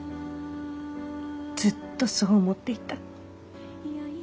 ずっとそう思っていた。